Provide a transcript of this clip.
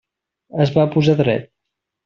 Es va posar dret.